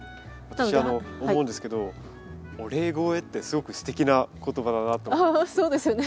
私思うんですけどお礼肥ってすごくすてきな言葉だなと思うんです。